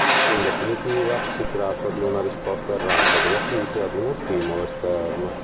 In definitiva si tratta di una risposta errata della cute ad uno stimolo esterno.